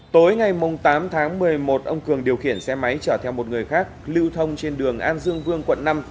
tối ngày tám tháng một mươi một ông cường điều khiển xe máy chở theo một người khác lưu thông trên đường an dương vương quận năm